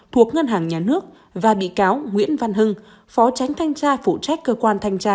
thuộc ngân hàng nhà nước và bị cáo nguyễn văn hưng phó tránh thanh tra phụ trách cơ quan thanh tra